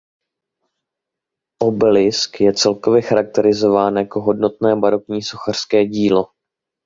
Obelisk je celkově charakterizován jako hodnotné barokní sochařské dílo.